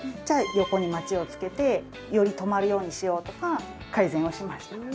じゃあ横にマチをつけてより止まるようにしようとか改善をしました。